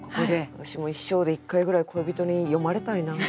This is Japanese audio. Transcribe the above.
わしも一生で一回ぐらい恋人に詠まれたいな。